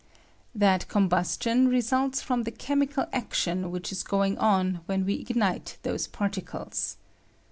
That combustion results from the chem ical action which is going on when we ignite those particles.